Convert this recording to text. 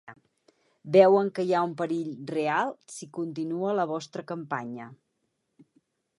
Veuen que hi ha un perill real si continua la vostra campanya.